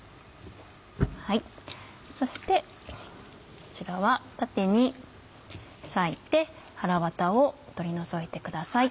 そしてこちらは縦に割いてはらわたを取り除いてください。